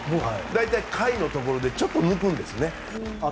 大体、下位のところでちょっと抜くんですよ。